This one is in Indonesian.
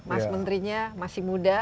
mas menterinya masih muda